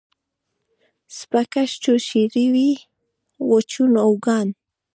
سپه کش چو شیروي و چون آوگان